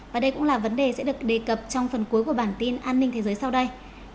và đây cũng là vấn đề sẽ được đề cập trong phần cuối của bản tin an ninh thế giới sau đây